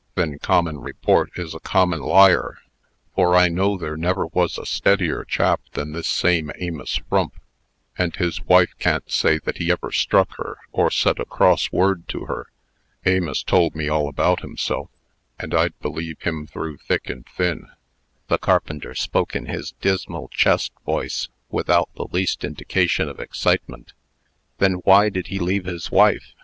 "Then common report is a common liar; for I know there never was a steadier chap than this same Amos Frump; and his wife can't say that he ever struck her, or said a cross word to her. Amos told me all about himself; and I'd believe him through thick and thin." The carpenter spoke in his dismal chest voice, without the least indication of excitement. "Then why did he leave his wife?